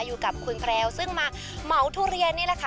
อยู่กับคุณแพรวซึ่งมาเหมาทุเรียนนี่แหละค่ะ